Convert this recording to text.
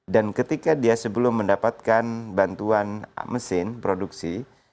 dan ketika dia sebelum mendapatkan bantuan mesin produksi